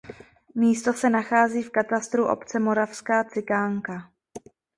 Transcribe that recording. Místo se nachází v katastru obce Moravská Cikánka.